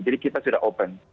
jadi kita sudah open